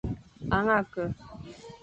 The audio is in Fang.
Herga ke,